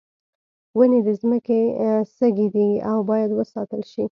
ونې د ځمکې سږی دي او باید وساتل شي.